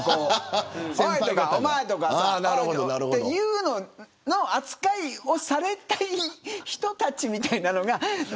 おいとか、おまえとかというのの扱いをされたい人たちみたいなのが。